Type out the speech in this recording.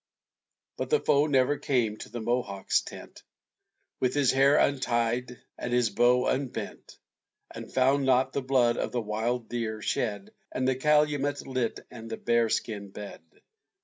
But the foe never came to the Mohawk's tent, With his hair untied, and his bow unbent, And found not the blood of the wild deer shed, And the calumet lit and the bear skin bed.